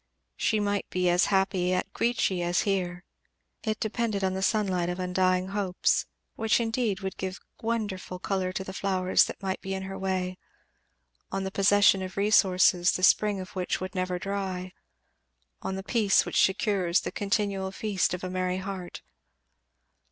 She might be as happy at Queechy as here. It depended on the sunlight of undying hopes, which indeed would give wonderful colour to the flowers that might be in her way; on the possession of resources the spring of which would never dry; on the peace which secures the continual feast of a merry heart.